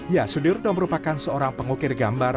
ya sudirno merupakan seorang pengukir gambar